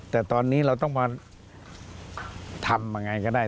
แต่ตอนนี้เราต้องมาทำยังไงก็ได้